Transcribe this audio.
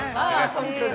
◆本当だ。